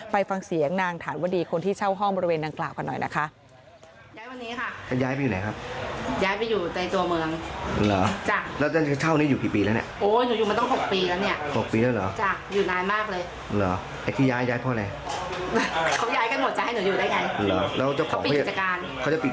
ไปฟังเสียงนางฐานวดีคนที่เช่าห้องบริเวณดังกล่าวกันหน่อยนะคะ